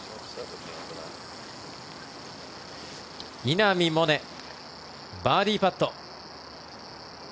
稲見萌寧バーディーパット。